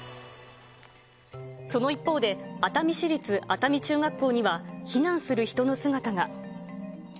その一方で、熱海市立熱海中学校には、避難する人の姿が。